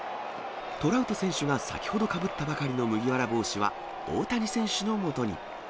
トラウト選手が先ほどかぶったばかりの麦わら帽子は大谷選手のもとに。